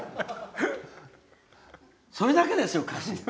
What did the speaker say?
それだけですよ、歌詞。